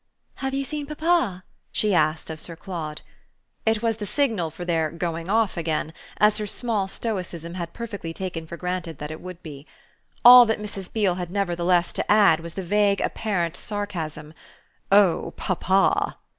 "Have you seen papa?" she asked of Sir Claude. It was the signal for their going off again, as her small stoicism had perfectly taken for granted that it would be. All that Mrs. Beale had nevertheless to add was the vague apparent sarcasm: "Oh papa!"